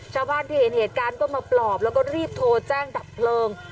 ชาวบ้านที่เห็นเหตุการณ์ก็มาปลอบแล้วก็รีบโทรแจ้งดับเพลิง